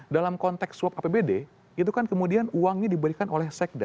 dalam konteks swap apbd itu kan kemudian uangnya diberikan oleh sekda